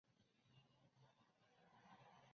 崎京线的运行系统通称。